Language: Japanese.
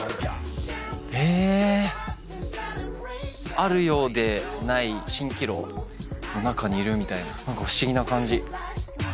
あるようでない蜃気楼の中にいるみたいな何か不思議な感じ。